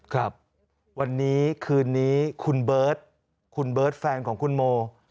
ครับวันนี้คืนนี้คุณเบิร์ตคุณเบิร์ตแฟนของคุณโม